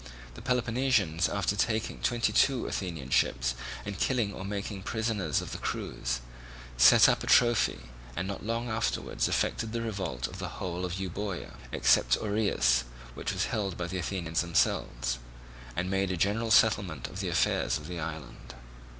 The Peloponnesians, after taking twenty two Athenian ships, and killing or making prisoners of the crews, set up a trophy, and not long afterwards effected the revolt of the whole of Euboea (except Oreus, which was held by the Athenians themselves), and made a general settlement of the affairs of the island.